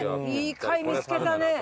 いい貝見つけたね。